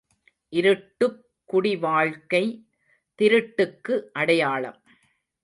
இருட்டுக் குடிவாழ்க்கை திருட்டுக்கு அடையாளம்.